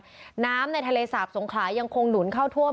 สิงหะนครน้ำในทะเลสาบสงขลายังคงหนุนเข้าถ้วม